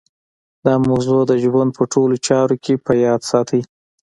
دا موضوع د ژوند په ټولو چارو کې په ياد ساتئ.